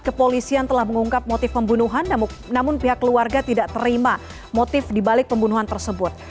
kepolisian telah mengungkap motif pembunuhan namun pihak keluarga tidak terima motif dibalik pembunuhan tersebut